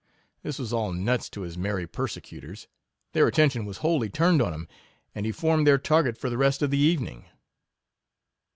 This was all nuts to his merry persecutors ; their attention was wholly turned on him, and he formed their target for the rest of the evening.